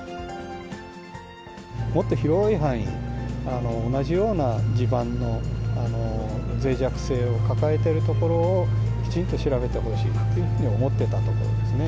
もっと広い範囲、同じような地盤のぜい弱性を抱えている所を、きちんと調べてほしいっていうふうに思ってたところですね。